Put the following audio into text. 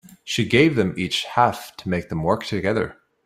She gave them each a half to make them work together.